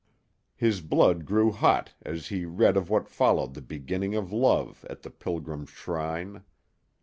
His blood grew hot as he read of what followed the beginning of love at the pilgrims' shrine.